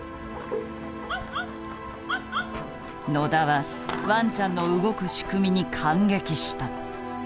野田はワンちゃんの動く仕組みに感激した。